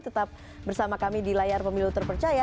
tetap bersama kami di layar pemilu terpercaya